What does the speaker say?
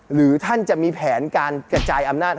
หรือท่านจะมีแผนการกระจายอำนาจ